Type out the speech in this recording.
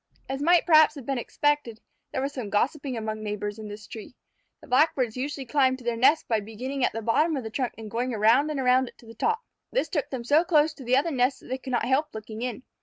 As might perhaps have been expected, there was some gossipping among neighbors in this tree. The Blackbirds usually climbed to their nest by beginning at the bottom of the trunk and going around and around it to the top. This took them so close to the other nests that they could not help looking in.